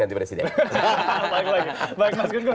baik mas gunggun